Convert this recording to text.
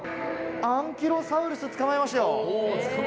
アンキロサウルス、捕まえましたよ！